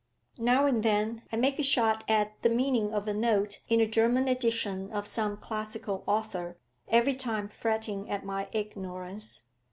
Now and then I make a shot at the meaning of a note in a German edition of some classical author, every time fretting at my ignorance.